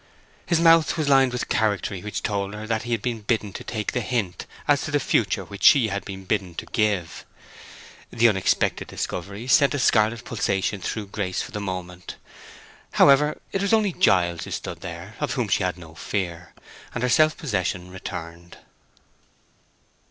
His mouth was lined with charactery which told her that he had been bidden to take the hint as to the future which she had been bidden to give. The unexpected discovery sent a scarlet pulsation through Grace for the moment. However, it was only Giles who stood there, of whom she had no fear; and her self possession returned.